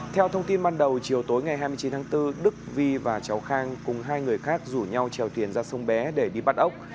theo thông tin ban đầu chiều tối ngày hai mươi chín tháng bốn đức vi và cháu khang cùng hai người khác rủ nhau trèo thuyền ra sông bé để đi bắt ốc